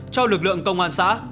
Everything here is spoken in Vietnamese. cho lực lượng công an xã